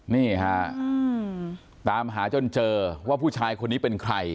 นี่ฮะตามหาจนเจอว่าผู้ชายคนนี้เป็นใคร